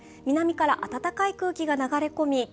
南から暖かい空気が流れ込み